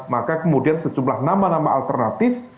maka kemudian sejumlah nama nama alternatif